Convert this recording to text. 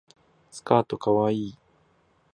スカートかわいい